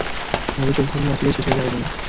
এভাবে চলতে থাকলে, অচিরেই শেষ হয়ে যাবে তুমি।